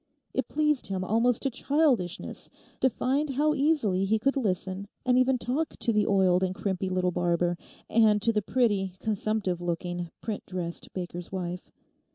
It pleased him almost to childishness to find how easily he could listen and even talk to the oiled and crimpy little barber, and to the pretty, consumptive looking, print dressed baker's wife.